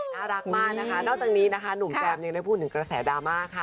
น่ารักมากนะคะนอกจากนี้นะคะหนุ่มแจมยังได้พูดถึงกระแสดราม่าค่ะ